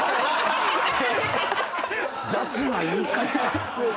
雑な言い方。